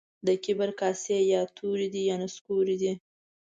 د کبر کاسې يا توري دي يا نسکوري دي.